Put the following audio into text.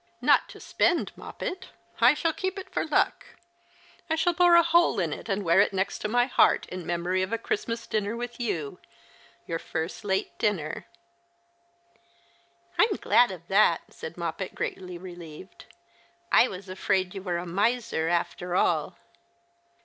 "Not to spend. Moppet. I shall keep it for luck. I shall bore a hole in it and wear it next my heart in memory of a Christmas dinner with you— your first late dinner." "I'm glad of that," said Moppet, greatly relieved. " I was afraid you were a miser after all."